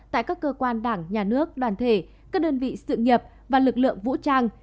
tại các cơ quan đảng nhà nước đoàn thể các đơn vị sự nghiệp và lực lượng vũ trang